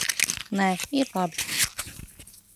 Nē, ir labi.